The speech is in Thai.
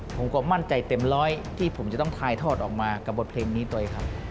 ผมก็มั่นใจเต็มร้อยที่ผมจะต้องถ่ายทอดออกมากับบทเพลงนี้ตัวเองครับ